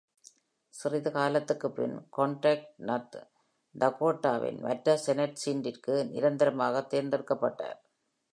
சிறிது காலத்திற்கு பின் "கான்ராட்" "நர்த் டகோட்டாவின்" மற்ற செனட் சீட்டிற்கு நிரந்தரமாக தேர்ந்தெடுக்கப்பட்டார்.